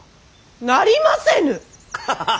なりませぬ！